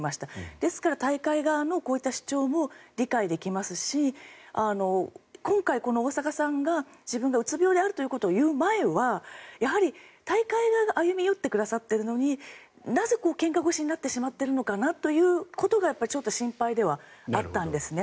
ですから、大会側のこういった主張も理解できますし今回、大坂さんが自分がうつ病であるということを言う前には大会側が歩み寄ってくださっているのになぜ、けんか腰になってしまってるのかなということが、ちょっと心配ではあったんですね。